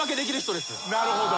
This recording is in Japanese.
なるほど。